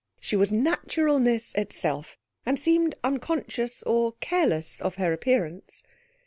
She was naturalness itself, and seemed unconscious or careless of her appearance.